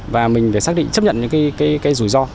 và mình phải xác định chấp nhận những cái rủi ro